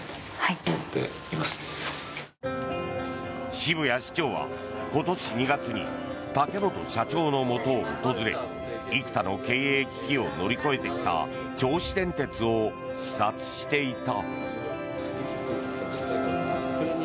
澁谷市長は今年２月に竹本社長のもとを訪れ幾多の経営危機を乗り越えてきた銚子電鉄を視察していた。